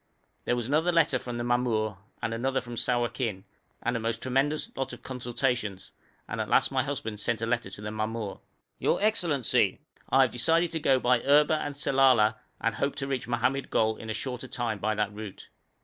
There was another letter from the mamour and another from Sawakin and a most tremendous lot of consultations, and at last my husband sent a letter to the mamour: 'Your Excellency, I have decided to go by Erba and Sellala and hope to reach Mohammed Gol in a shorter time by that route.'